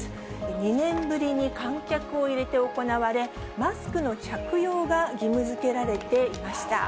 ２年ぶりに観客を入れて行われ、マスクの着用が義務づけられていました。